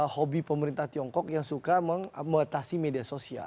hobi pemerintah tiongkok yang suka mengatasi media sosial